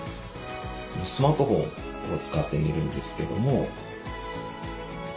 スマートフォンを使ってみるんですけども。